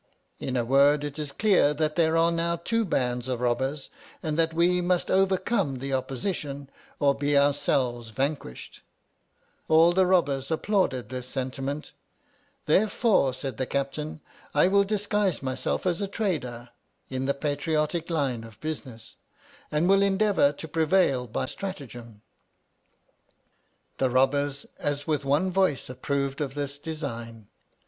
In a word, it is clear that there are now two bands of robbers, and that we must overcome the opposition, or be ourselves All the robbers applauded this Therefore, said the captain, I vanquished. sentiment. will disguise myself as a trader — in the patriotic line of business — and will endeavour to prevail by stratagem. The robbers as with one voice approved of this design.